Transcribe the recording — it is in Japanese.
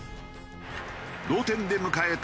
同点で迎えた